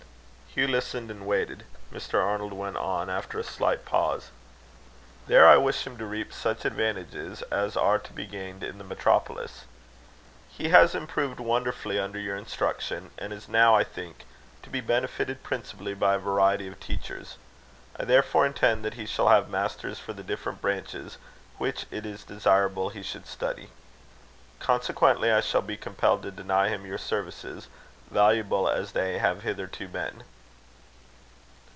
Hugh listened and waited. Mr. Arnold went on, after a slight pause: "There I wish him to reap such advantages as are to be gained in the metropolis. He has improved wonderfully under your instruction; and is now, I think, to be benefited principally by a variety of teachers. I therefore intend that he shall have masters for the different branches which it is desirable he should study. Consequently I shall be compelled to deny him your services, valuable as they have hitherto been."